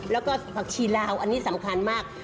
แล้วก็ผักชีลาวอันนี้สำคัญมาก